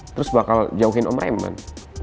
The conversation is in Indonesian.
terus bakal jauhin om reman